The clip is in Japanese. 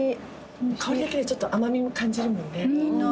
香りだけでちょっと甘みも感じるもんね。